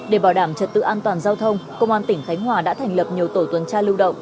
để bảo đảm trật tự an toàn giao thông công an tỉnh khánh hòa đã thành lập nhiều tổ tuần tra lưu động